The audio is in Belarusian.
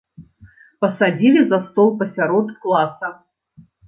Пасадзілі за стол пасярод класа.